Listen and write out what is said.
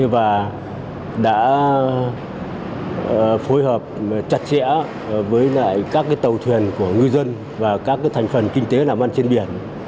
và đã phối hợp chặt chẽ với các tàu thuyền của ngư dân và các thành phần kinh tế làm ăn trên biển